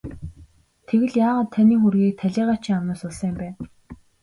Тэгвэл яагаад таны хөрөгийг талийгаачийн амнаас олсон юм бэ?